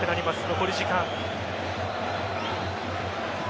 残り時間。